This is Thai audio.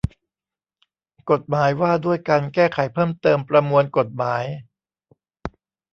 กฎหมายว่าด้วยการแก้ไขเพิ่มเติมประมวลกฎหมาย